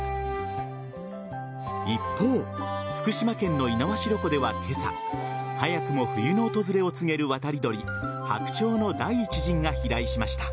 一方、福島県の猪苗代湖では今朝早くも冬の訪れを告げる渡り鳥ハクチョウの第１陣が飛来しました。